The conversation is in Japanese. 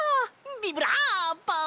ビブラーボ！